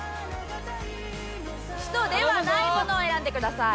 首都ではないものを選んでください。